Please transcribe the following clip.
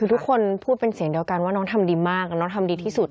คือทุกคนพูดเป็นเสียงเดียวกันว่าน้องทำดีมากน้องทำดีที่สุด